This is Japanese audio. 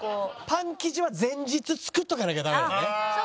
パン生地は前日作っとかなきゃダメだね。